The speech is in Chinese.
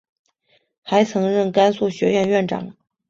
还曾任甘肃学院院长。